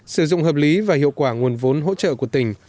sử dụng hợp lý và hiệu quả nguồn vốn hỗ trợ của tỉnh